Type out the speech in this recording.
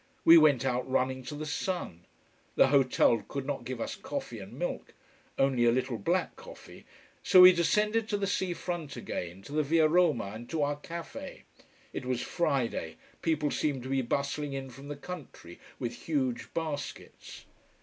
We went out running to the sun. The hotel could not give us coffee and milk: only a little black coffee. So we descended to the sea front again, to the Via Roma, and to our café. It was Friday: people seemed to be bustling in from the country with huge baskets.